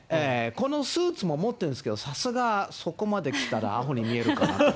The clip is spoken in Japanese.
このスーツも持ってるんですけど、さすがそこまで着たらあほに見えるかなって。